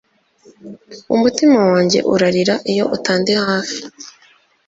Umutima wanjye urarira iyo utandi hafi